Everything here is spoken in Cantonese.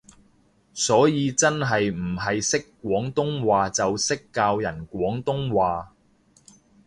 所以真係唔係識廣東話就識教人廣東話